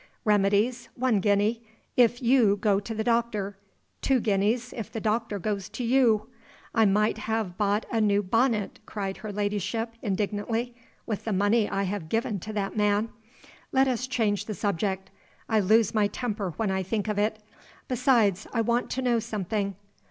Remedies, one guinea, if you go to the doctor; two guineas if the doctor goes to you. I might have bought a new bonnet," cried her ladyship, indignantly, "with the money I have given to that man! Let us change the subject. I lose my temper when I think of it. Besides, I want to know something.